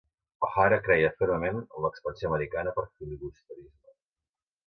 O'Hara creia fermament en l'expansió americana per filibusterisme.